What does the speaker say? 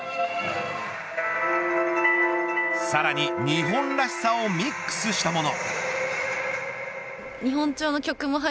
さらに日本らしさをミックスしたもの。